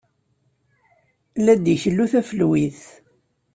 La d-ikellu tafelwit.